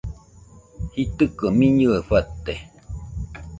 Jitɨko miñɨe fate